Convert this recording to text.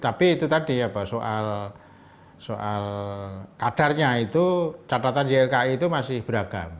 tapi itu tadi ya bahwa soal kadarnya itu catatan ylki itu masih beragam